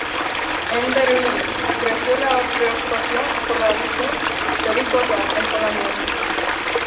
En Berlín creció la preocupación por la actitud belicosa en Polonia.